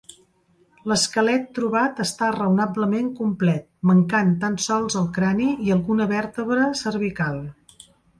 L'esquelet trobat està raonablement complet, mancant tan sols el crani i alguna vèrtebra cervical.